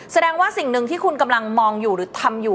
แสดงว่าสิ่งหนึ่งที่คุณกำลังมองอยู่หรือทำอยู่